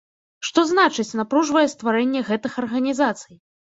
Што значыць напружвае стварэнне гэтых арганізацый?